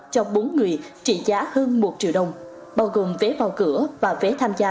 cho bốn người trị giá hơn một triệu đồng bao gồm vé vào cửa và vé tham gia